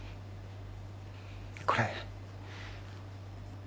これ。